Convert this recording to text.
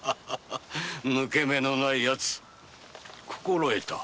抜け目のないヤツ心得た。